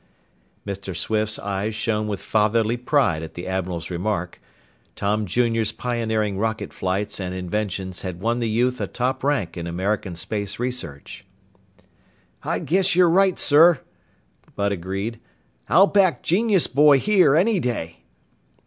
Mr. Swift's eyes shone with fatherly pride at the admiral's remark. Tom Jr.'s pioneering rocket flights and inventions had won the youth a top rank in American space research. "Guess you're right, sir," Bud agreed. "I'll back genius boy here any day!"